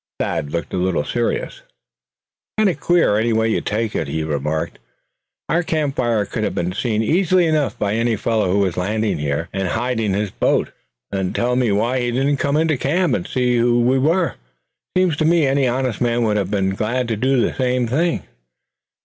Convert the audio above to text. Thad looked a little serious. "Kind of queer, any way you take it," he remarked. "Our camp fire could have been seen easy enough by any fellow who was landing here, and hiding his boat. Then tell me why he didn't come into camp, and see who we were? Seems to me any honest man would have been glad to do that same thing."